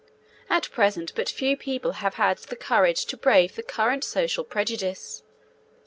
At present but few people have had the courage to brave the current social prejudice.